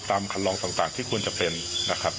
คันลองต่างที่ควรจะเป็นนะครับ